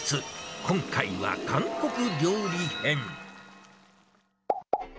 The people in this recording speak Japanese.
今回は韓国料理編。